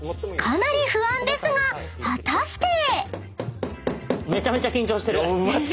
［かなり不安ですが果たして］